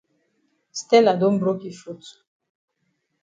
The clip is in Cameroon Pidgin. Stella don broke yi foot.